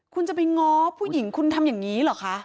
คุณจะไปง้อผู้หญิงคุณทำอย่างนี้เหรอคะ